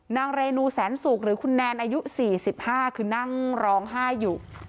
เรนูแสนสุกหรือคุณแนนอายุ๔๕คือนั่งร้องไห้อยู่